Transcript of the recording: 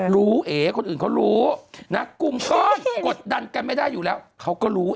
เอ๋คนอื่นเขารู้นะกลุ่มก้อนกดดันกันไม่ได้อยู่แล้วเขาก็รู้